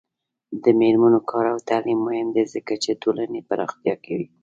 د میرمنو کار او تعلیم مهم دی ځکه چې ټولنې پراختیا کوي.